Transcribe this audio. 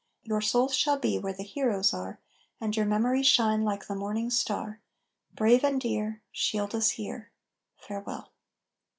Your souls shall be where the heroes are And your memory shine like the morning star. Brave and dear, Shield us here. Farewell!"